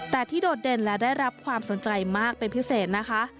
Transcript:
แต่ที่โดดเด่นและได้รับความสนใจมากเป็นพิเศษนะคะ